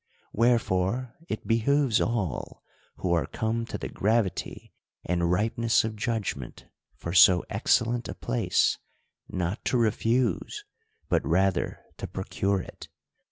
Wherefore it behoves all, who are come to the gravity and ripeness of judgment for so excellent a place, not to refuse, but rather to procure it.